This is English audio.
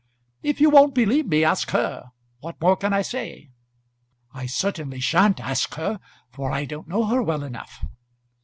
"If you won't believe me, ask her. What more can I say?" "I certainly sha'n't ask her, for I don't know her well enough."